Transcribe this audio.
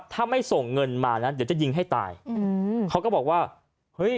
ถ้าไม่ส่งเงินมานะเดี๋ยวจะยิงให้ตายอืมเขาก็บอกว่าเฮ้ย